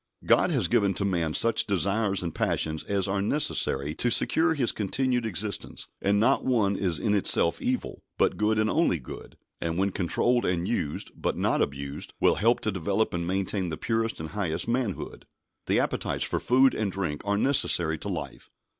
God has given to man such desires and passions as are necessary to secure his continued existence, and not one is in itself evil, but good and only good; and when controlled and used, but not abused, will help to develop and maintain the purest and highest manhood. The appetites for food and drink are necessary to life.